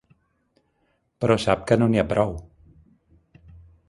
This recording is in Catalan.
Però sap que no n’hi ha prou.